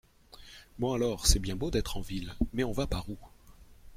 Bon, alors, c’est bien beau d’être en ville, mais on va par où ?